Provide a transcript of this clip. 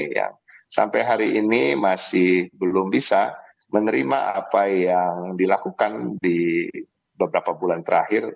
yang sampai hari ini masih belum bisa menerima apa yang dilakukan di beberapa bulan terakhir